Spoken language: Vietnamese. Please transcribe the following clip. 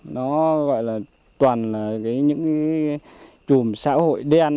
nó gọi là toàn là những trùm xã hội đen